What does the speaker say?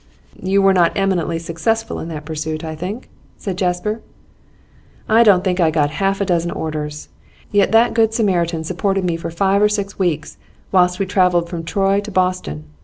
'You were not eminently successful in that pursuit, I think?' said Jasper. 'I don't think I got half a dozen orders. Yet that good Samaritan supported me for five or six weeks, whilst we travelled from Troy to Boston.